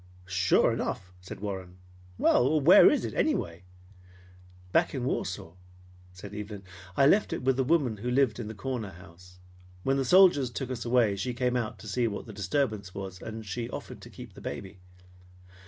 "Sure enough!" said Warren. "Well, where is it, anyway?" "Back in Warsaw," said Evelyn. "I left it with the woman who lived in the corner house. When the soldiers took us away, she came out to see what the disturbance was, and she offered to keep the baby."